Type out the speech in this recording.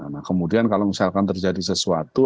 nah kemudian kalau misalkan terjadi sesuatu